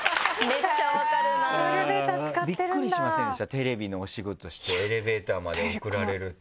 テレビのお仕事してエレベーターまで送られるって。